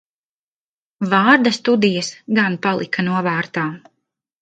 Vārda studijas gan palika novārtā.